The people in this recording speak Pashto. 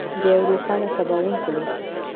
د یو روښانه سباوون په لور.